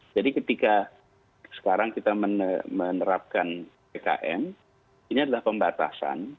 jadi ketika sekarang kita menerapkan pkm ini adalah pembatasan